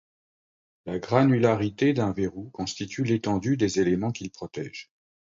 La granularité d'un verrou constitue l'étendue des éléments qu'il protège.